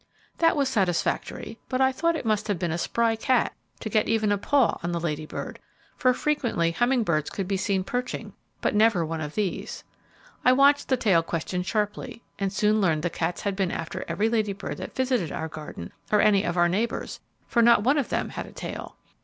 That was satisfactory, but I thought it must have been a spry cat to get even a paw on the Lady Bird, for frequently humming birds could be seen perching, but never one of these. I watched the tail question sharply, and soon learned the cats had been after every Lady Bird that visited our garden, or any of our neighbours, for not one of them had a tail.